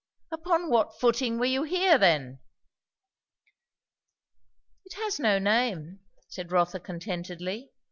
"Upon what footing were you here, then?" "It has no name," said Rotha contentedly.